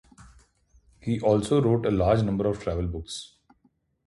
He also wrote a large number of travel books.